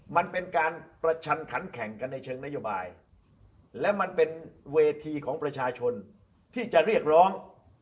มันเป็นการประชันขันแข่งกันในเชิงนโยบายและมันเป็นเวทีของประชาชนที่จะเรียกร้อง